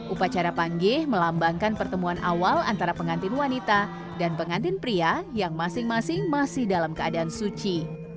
upacara panggih melambangkan pertemuan awal antara pengantin wanita dan pengantin pria yang masing masing masih dalam keadaan suci